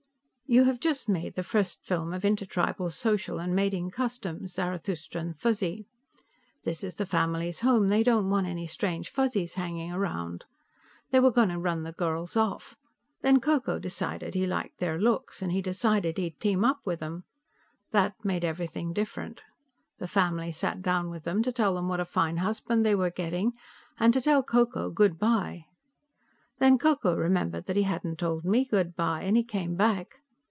"You have just made the first film of intertribal social and mating customs, Zarathustran Fuzzy. This is the family's home; they don't want any strange Fuzzies hanging around. They were going to run the girls off. Then Ko Ko decided he liked their looks, and he decided he'd team up with them. That made everything different; the family sat down with them to tell them what a fine husband they were getting and to tell Ko Ko good bye. Then Ko Ko remembered that he hadn't told me good bye, and he came back.